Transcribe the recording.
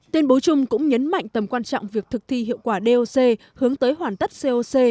tuyên bố chung cũng nhấn mạnh tầm quan trọng việc thực thi hiệu quả doc hướng tới hoàn tất coc